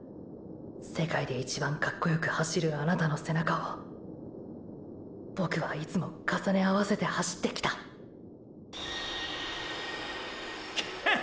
世界で一番カッコよく走るあなたの背中をボクはいつも重ね合わせて走ってきたクハ！！